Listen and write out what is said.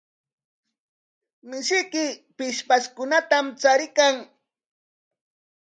Mishiyki pillpashkunatam chariykan.